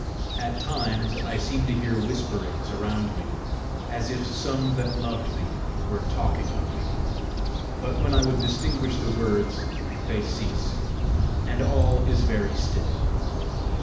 At times I seem to hear whisperings around me, as if some that loved me were talking of me; but when I would distinguish the words, they cease, and all is very still.